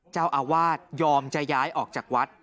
เจ้าอาวาสยอมจะย้ายออกจากวัด